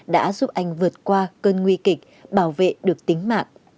đã giúp anh vượt qua cơn nguy kịch bảo vệ được tính mạng